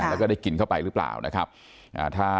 จน๘โมงเช้าวันนี้ตำรวจโทรมาแจ้งว่าพบเป็นศพเสียชีวิตแล้ว